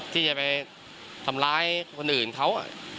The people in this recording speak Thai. ที่จะไปทำร้ายคนอื่นเขา